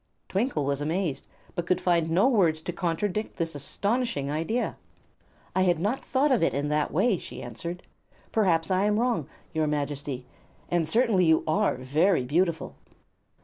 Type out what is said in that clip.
Twinkle was amazed, but could find no words to contradict this astonishing idea. "I had not thought of it in that way," she answered. "Perhaps I am wrong, your Majesty; and certainly you are very beautiful."